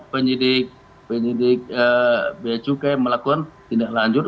penyidik penyidik biaya cukai melakukan tindak lanjut